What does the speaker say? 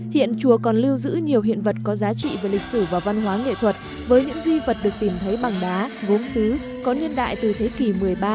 hiện chùa còn lưu giữ nhiều hiện vật có giá trị về lịch sử và văn hóa nghệ thuật với những di vật được tìm thấy bằng đá gốm xứ có niên đại từ thế kỷ một mươi ba